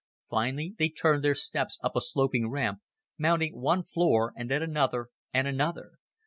Finally they turned their steps up a sloping ramp, mounting one floor and then another, and another.